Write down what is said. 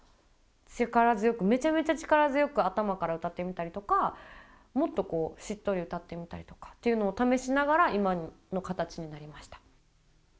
力強くめちゃめちゃ力強く頭から歌ってみたりとかもっとこうしっとり歌ってみたりとかっていうのを試しながら今の形になりました。